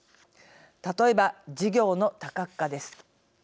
例えば事業の多角化です。